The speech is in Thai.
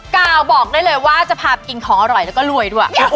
กาวบอกได้เลยว่าจะพากินของอร่อยแล้วก็รวยด้วย